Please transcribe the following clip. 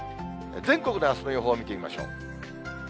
全国のあすの予報、見てみましょう。